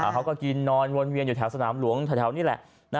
เขาก็กินนอนวนเวียนอยู่แถวสนามหลวงแถวนี่แหละ